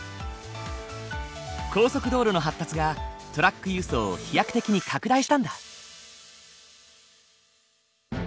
高速道路の発達がトラック輸送を飛躍的に拡大したんだ。